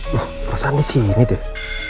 wah pasal nisi ini deh